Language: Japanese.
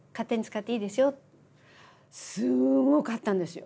すごかったんですよ。